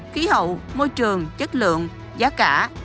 khí hậu môi trường chất lượng giá cả